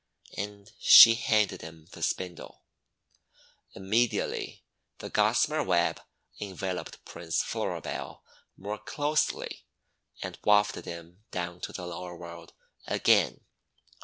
And she handed him the spindle. Immediately the gossamer web enveloped Prince Floribel more closely, and wafted him down to the lower world again.